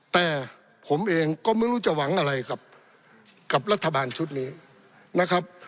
แต่ผมเองก็ไม่รู้จะหวังอะไรกับรัฐบาลชุดนี้นะครับ